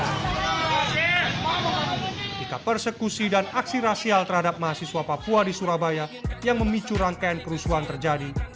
ketika persekusi dan aksi rasial terhadap mahasiswa papua di surabaya yang memicu rangkaian kerusuhan terjadi